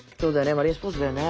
マリンスポーツだよね。